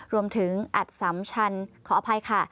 รวมถึงอัดสำชันขออภัยค่ะ